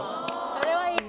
それはいいかも。